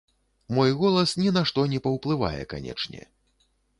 Мой голас ні на што не паўплывае, канечне.